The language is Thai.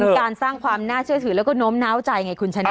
คือการสร้างความน่าเชื่อถือแล้วก็โน้มน้าวใจไงคุณชนะ